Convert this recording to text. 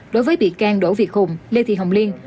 đối với bị can đỗ việt hùng lê thị hồng liên